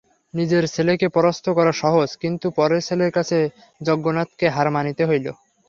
নিজের ছেলেকে পরাস্ত করা সহজ, কিন্তু পরের ছেলের কাছে যজ্ঞনাথকে হার মানিতে হইল।